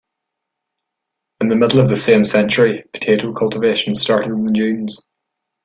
In the middle of the same century, potato cultivation started in the dunes.